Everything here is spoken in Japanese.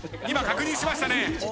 今確認しましたね。